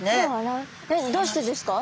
どうしてですか？